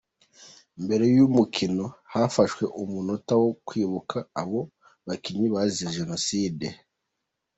Mbere y’umukino hafashwe umunota wo kwibuka abo bakinnyi bazize Jenoside.